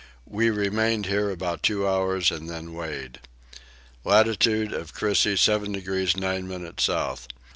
We remained here about two hours and then weighed. Latitude of Crissey 7 degrees 9 minutes south.